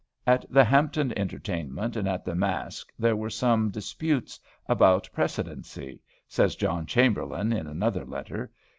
At the Hampton entertainment, and at the masque there were some disputes about precedency, says John Chamberlain in another letter.